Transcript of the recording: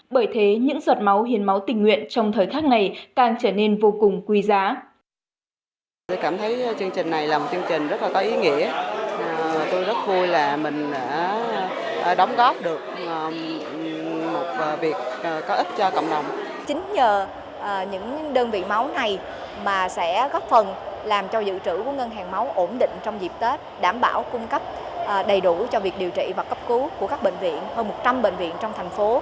bởi thế những giọt máu hiến máu tình nguyện trong thời tháng này càng trở nên vô cùng quý giá